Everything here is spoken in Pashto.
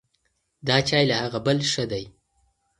دا چای له هغه بل ښه دی.